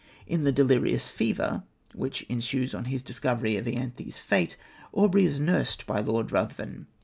In the delirious fever, which ensues on his discovery of Ianthe's fate, Aubrey is nursed by Lord Ruthven.